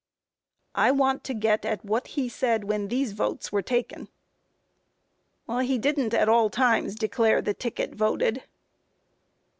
Q. I want to get at what he said when these votes were taken? A. He didn't at all times declare the ticket voted.